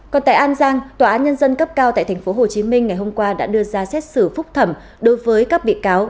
còn tại an giang tòa án nhân dân cấp cao tại tp hcm ngày hôm qua đã đưa ra xét xử phúc thẩm đối với các bị cáo